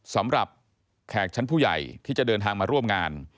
แขกชั้นผู้ใหญ่ที่จะเดินทางมาร่วมงาน